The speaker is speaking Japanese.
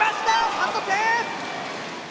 ３得点！